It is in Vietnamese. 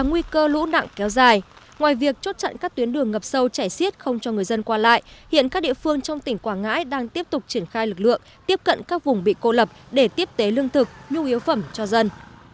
nguy cơ lũ nặng kéo dài ngoài việc chốt chặn các tuyến đường ngập sâu chảy xiết không cho người dân qua lại hiện các địa phương trong tỉnh quảng ngãi đang tiếp tục triển khai lực lượng tiếp cận các vùng bị cô lập để tiếp tế lương thực nhu yếu phẩm cho dân